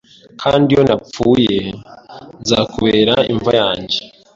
Kandi iyo napfuye nzakubera imva yange